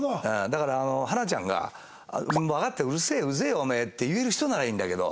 だからあの花ちゃんが「もうわかったようるせえようぜえよおめえ」って言える人ならいいんだけど。